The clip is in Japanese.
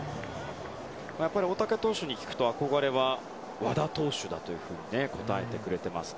大竹投手に聞くと憧れは和田投手だと答えてくれています。